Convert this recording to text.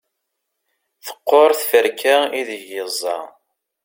teqqur tferka ideg yeẓẓa